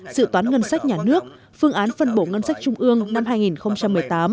sự toán ngân sách nhà nước phương án phân bổ ngân sách trung ương năm hai nghìn một mươi tám